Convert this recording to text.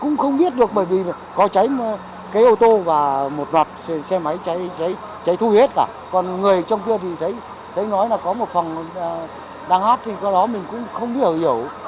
cũng không biết được bởi vì có cháy cái ô tô và một loạt xe máy cháy thu hết cả còn người trong kia thì thấy nói là có một phòng đang hát thì qua đó mình cũng không hiểu